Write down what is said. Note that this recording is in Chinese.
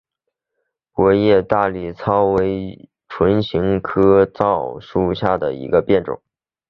薄叶大理糙苏为唇形科糙苏属下的一个变种。